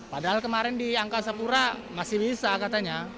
padahal kemarin di angkasa pura masih bisa katanya